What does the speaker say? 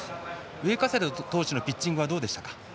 上加世田投手のピッチングはどうでしたか？